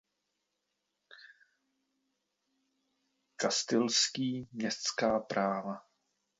Kastilský městská práva.